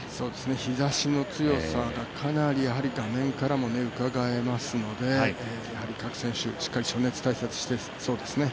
日ざしの強さがかなり画面からもうかがえますので各選手、しっかり暑熱対策してそうですね。